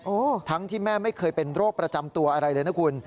ทั้งที่แม่ไม่เคยเป็นโรคประจำตัวอะไรเลยนะคุณ